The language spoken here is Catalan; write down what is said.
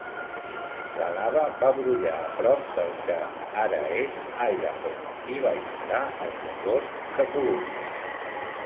La lava va brollar a prop del que ara és Idaho i va inundar el congost de Columbia.